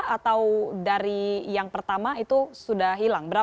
atau dari yang pertama itu sudah hilang